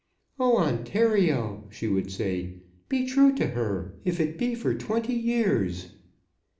"O Ontario," she would say, "be true to her; if it's for twenty years."